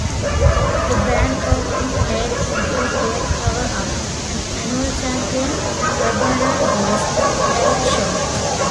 The band often played at The Great Cover-up, an annual Champaign-Urbana based charity show.